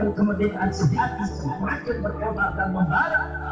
semangat kita untuk menunjukkan kemerdekaan sejati semakin berkembang dan membarang